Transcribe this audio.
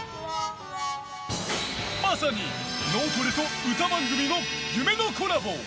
まさに、脳トレと歌番組の夢のコラボ！